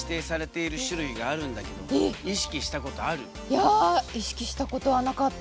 いや意識したことはなかった。